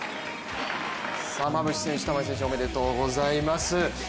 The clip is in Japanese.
馬淵選手、玉井選手おめでとうございます。